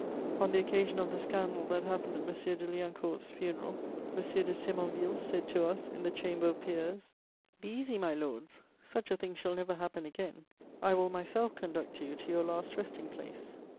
On the occasion of the scandal that happened at M. de Liancourt's funeral, M. de Sémonville said to us, in the Chamber of Peers: "Be easy, my lords, such a thing shall never happen again; I will myself conduct you to your last resting place."